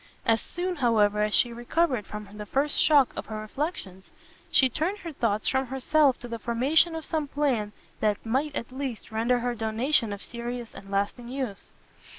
As soon, however, as she recovered from the first shock of her reflections, she turned her thoughts from herself to the formation of some plan that might, at least, render her donation of serious and lasting use.